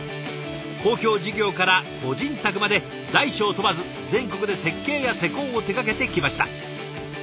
公共事業から個人宅まで大小問わず全国で設計や施工を手がけてきました。